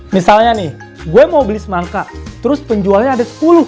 misalnya nih gue mau beli semangka terus penjualnya ada sepuluh